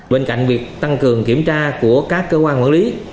bên cạnh việc tăng cường kiểm tra của các cơ quan quản lý